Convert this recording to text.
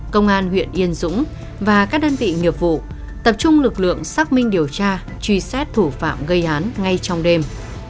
công an huyện yên dũng và các đơn vị nghiệp vụ tập trung lực lượng xác minh điều tra truy xét thủ phạm gây án ngay trong đêm